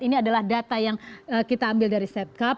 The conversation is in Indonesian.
ini adalah data yang kita ambil dari setcap